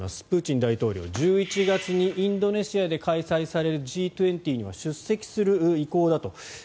プーチン大統領は１１月にインドネシアで開催されるＧ２０には出席する意向だと。